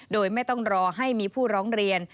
โดยไม่ต้องรอให้มีผู้ร้องเรียน